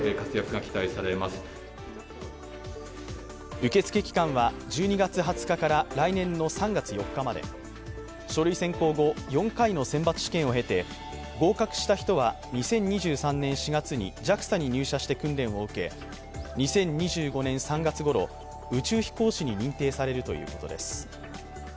受付期間は１２月２０日から来年の３月４日まで書類選考後、４回の選抜試験を経て、合格した人は２０２３年４月にＪＡＸＡに入社して訓練を受け、２０２５年３月ごろ、宇宙飛行士に認定されるということです。